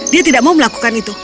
dia tidak mau melakukan itu